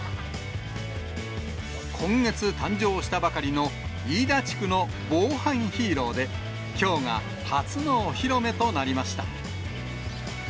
今月誕生したばかりの、飯田地区の防犯ヒーローで、きょうが初のお披露目となりました。